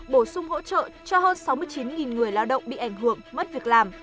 bổ sung hỗ trợ cho hơn sáu mươi chín người lao động bị ảnh hưởng mất việc làm